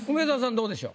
どうでしょう？